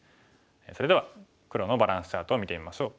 それでは黒のバランスチャートを見てみましょう。